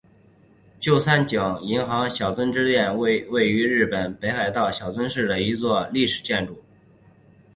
旧三井银行小樽支店是位于日本北海道小樽市的一座历史建筑。